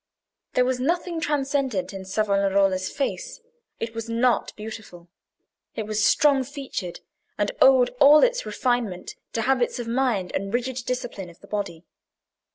There was nothing transcendent in Savonarola's face. It was not beautiful. It was strong featured, and owed all its refinement to habits of mind and rigid discipline of the body.